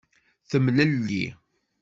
Temlelli.